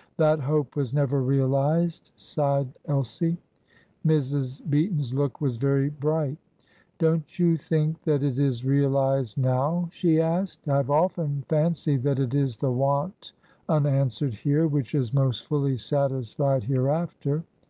'" "That hope was never realised!" sighed Elsie. Mrs. Beaton's look was very bright. "Don't you think that it is realised now?" she asked. "I have often fancied that it is the want unanswered here which is most fully satisfied hereafter.